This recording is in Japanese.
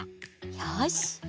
よし！